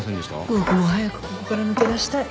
僕も早くここから抜け出したい。